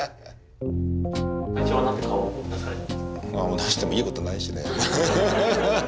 出してもいいことないしね。